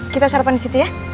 kita sarapan disitu ya